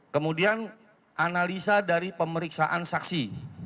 kemudian analisa dari pemeriksaan saksi